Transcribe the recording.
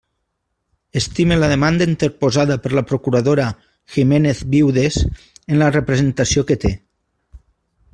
Estime la demanada interposada per la procuradora Giménez Viudes, en la representació que té.